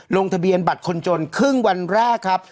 ลงทะเบียนบัตรคนจนครึ่งวันแรกครับ